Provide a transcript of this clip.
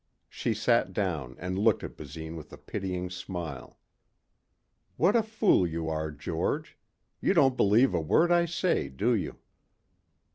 She sat down and looked at Basine with a pitying smile. "What a fool you are, George. You don't believe a word I say, do you?"